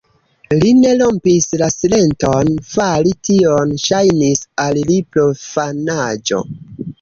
Li ne rompis la silenton; fari tion ŝajnis al li profanaĵo.